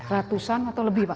ratusan atau lebih pak